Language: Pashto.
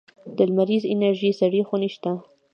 د لمریزې انرژۍ سړې خونې شته؟